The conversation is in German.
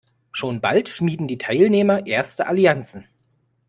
Schon bald schmieden die Teilnehmer erste Allianzen.